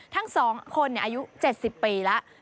ทั้ง๒คนอายุ๗๐ปีแล้ว